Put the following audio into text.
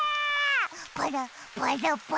パラパラパラパラ。